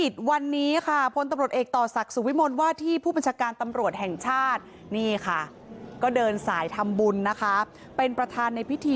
ใช่ทำบุญสายทำ